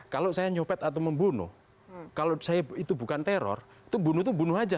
kalau saya nyopet atau membunuh kalau itu bukan teror itu bunuh bunuh saja